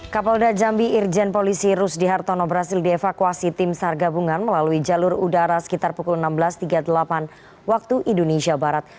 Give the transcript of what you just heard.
kapolda jambi irjen polisi rusdi hartono berhasil dievakuasi tim sar gabungan melalui jalur udara sekitar pukul enam belas tiga puluh delapan waktu indonesia barat